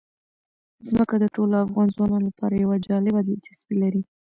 ځمکه د ټولو افغان ځوانانو لپاره یوه جالبه دلچسپي لري.